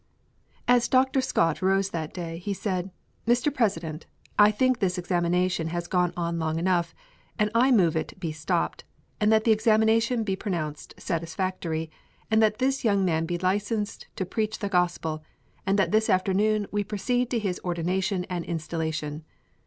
As Dr. Scott rose that day he said, "Mr. President, I think this examination has gone on long enough, and I move it be stopped, and that the examination be pronounced satisfactory, and that this young man be licensed to preach the Gospel, and that this afternoon we proceed to his ordination and installation."